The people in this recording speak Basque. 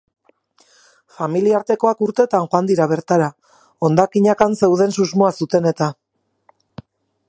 Familiartekoak urteetan joan dira bertara, hondakinak han zeuden susmoa zuten-eta.